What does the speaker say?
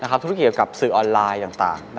การทำธุรกิจเกี่ยวกับสื่อออนไลน์อย่างต่าง